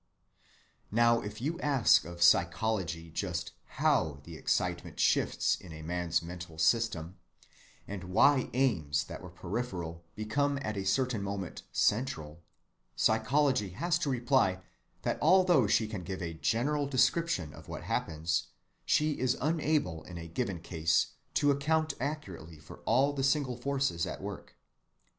Now if you ask of psychology just how the excitement shifts in a man's mental system, and why aims that were peripheral become at a certain moment central, psychology has to reply that although she can give a general description of what happens, she is unable in a given case to account accurately for all the single forces at work.